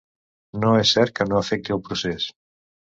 No és cert que no afecti el procés.